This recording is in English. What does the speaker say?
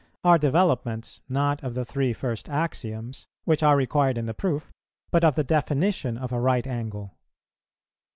are developments, not of the three first axioms, which are required in the proof, but of the definition of a right angle.